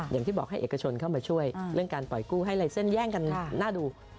อย่างที่บอกให้เอกชนเข้ามาช่วยเรื่องการปล่อยกู้ให้ลายเส้นแย่งกันน่าดู